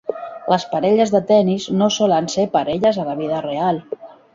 Les parelles de tenis no solen ser parelles a la vida real.